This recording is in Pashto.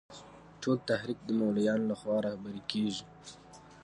ټول تحریک د مولویانو له خوا رهبري کېږي.